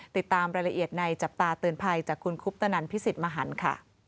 ติดตามรายละเอียดในจับตาเตือนภัยจากคุณคุปตนันพิสิทธิ์มหันค่ะ